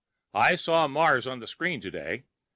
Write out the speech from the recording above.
I saw Mars on the screen today.